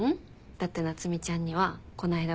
だって夏海ちゃんにはこないだ